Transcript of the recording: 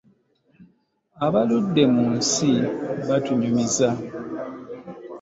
Abaludde mu nsi batunyumiza.